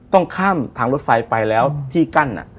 ต้องข้ามทางรถไฟไปแล้วที่กั้น